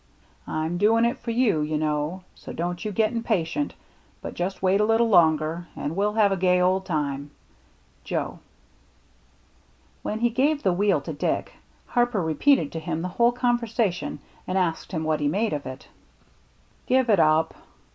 I'm doing it for you you know so don't you get impatent but just wait a litle longer and we'll have a gay old time. "Joe." When he gave the wheel to Dick, Harper repeated to him the whole conversation and asked him what he made of it. " Give it up."